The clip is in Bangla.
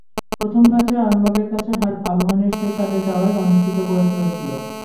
প্রথম ম্যাচে আরামবাগের কাছে হার আবাহনীর শেষ আটে যাওয়াই অনিশ্চিত করে তুলেছিল।